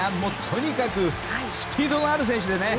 とにかくスピードがある選手でね。